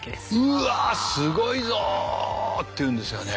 うわすごいぞって言うんですよね。